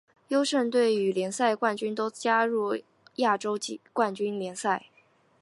优胜队与联赛冠军都加入亚洲冠军联赛。